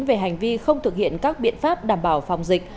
về hành vi không thực hiện các biện pháp đảm bảo phòng dịch